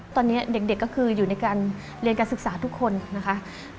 ตอนนี้เด็กก็คืออยู่ในการเรียนการศึกษาทุกคนนะคะ